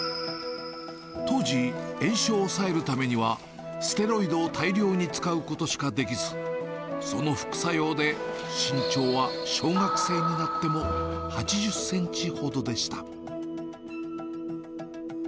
当時、炎症を抑えるためには、ステロイドを大量に使うことしかできず、その副作用で、身長は小学生になっても８０センチほどでした。